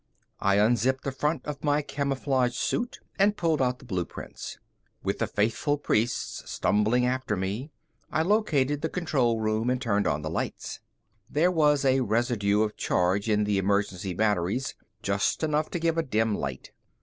I unzipped the front of my camouflage suit and pulled out the blueprints. With the faithful priests stumbling after me, I located the control room and turned on the lights. There was a residue of charge in the emergency batteries, just enough to give a dim light.